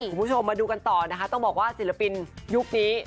คุณผู้ชมมาดูกันต่อนะคะต้องบอกว่าศิลปินยุคนี้